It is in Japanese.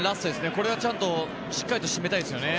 これはちゃんとしっかり締めたいですね。